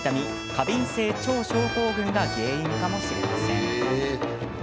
過敏性腸症候群が原因かもしれません。